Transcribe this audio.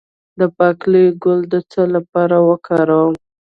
د باقلي ګل د څه لپاره وکاروم؟